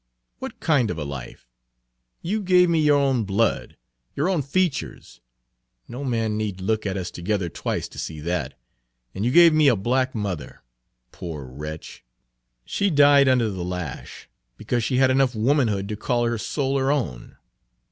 "What kind of a life? You gave me your own blood, your own features, no Page 86 man need look at us together twice to see that, and you gave me a black mother. Poor wretch! She died under the lash, because she had enough womanhood to call her soul her own.